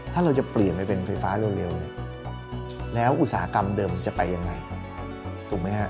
ถ้าเราจะเปลี่ยนไปเป็นไฟฟ้าเร็วแล้วอุตสาหกรรมเดิมจะไปอย่างไร